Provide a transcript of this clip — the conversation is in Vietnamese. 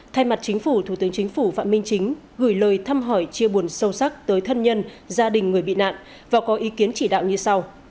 thay mặt chính phủ thủ tướng chính phủ phạm minh chính gửi lời thăm hỏi chia buồn sâu sắc tới thân nhân gia đình người bị nạn và có ý kiến chỉ đạo như sau